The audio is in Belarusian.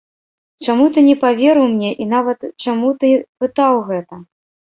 Чаму ты не паверыў мне і нават чаму ты пытаў гэта?